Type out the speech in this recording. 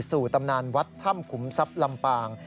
ตำนานวัดถ้ำขุมทรัพย์ลำปาง